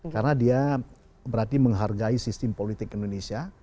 karena dia berarti menghargai sistem politik indonesia